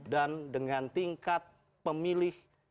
dan dengan tingkat pemilih